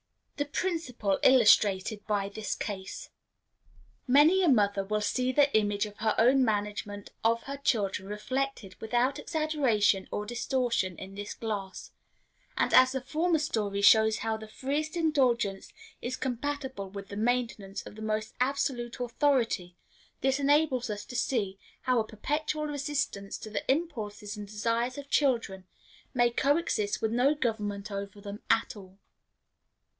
The Principle illustrated by this Case. Many a mother will see the image of her own management of her children reflected without exaggeration or distortion in this glass; and, as the former story shows how the freest indulgence is compatible with the maintenance of the most absolute authority, this enables us to see how a perpetual resistance to the impulses and desires of children may co exist with no government over them at all.